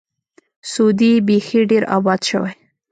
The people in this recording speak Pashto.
سعودي بیخي ډېر آباد شوی.